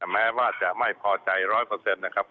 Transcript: แม้ว่าจะไม่พอใจร้อยเปอร์เซ็นต์นะครับ